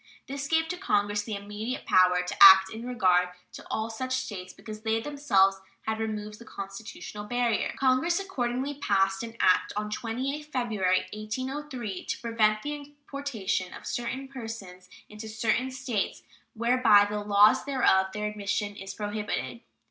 This gave to Congress the immediate power to act in regard to all such States, because they themselves had removed the constitutional barrier. Congress accordingly passed an act on 28th February, 1803, "to prevent the importation of certain persons into certain States where by the laws thereof their admission is prohibited."